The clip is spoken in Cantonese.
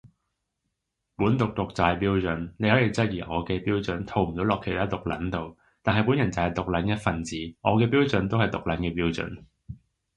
本毒毒就係標準，你可以質疑我嘅標準套唔到落其他毒撚度，但係本人就係毒撚一份子，我嘅標準都係毒撚嘅標準